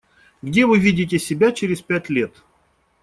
Где вы видите себя через пять лет?